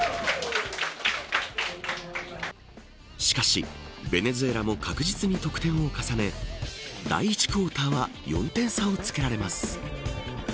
しかし、ベネズエラも確実に得点を重ね第１クオーターは４点差をつけられます。